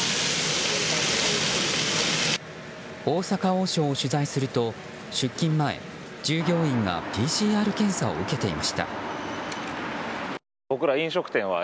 大阪王将を取材すると出勤前、従業員がＰＣＲ検査を受けていました。